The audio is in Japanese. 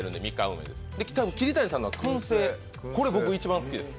桐谷さんのはくん製これ、僕、一番好きです。